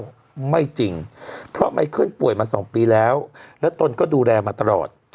ว่าไม่จริงเพราะไมเคิลป่วยมา๒ปีแล้วและตนก็ดูแลมาตลอด